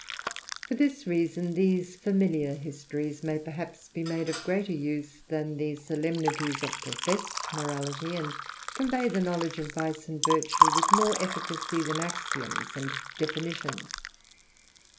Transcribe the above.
For this reason, these familiar histories may perhaps be made of greater use than the solemnities of professed morality, and convey the knowledge of vice and virtue with more efficacy than axioms and definitions.